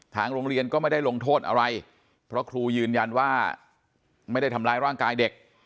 ทางโรงเรียนก็ไม่ได้ลงโทษอะไรเพราะครูยืนยันว่าไม่ได้ทำร้ายร่างกายเด็ก